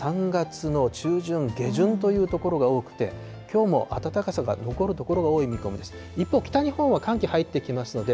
特に西日本は３月の中旬、下旬という所が多くて、きょうも暖かさが残る所が多い見込みです。